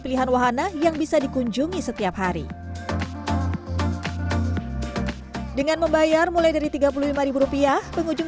pilihan wahana yang bisa dikunjungi setiap hari dengan membayar mulai dari tiga puluh lima rupiah pengunjung